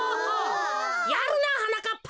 やるなはなかっぱ。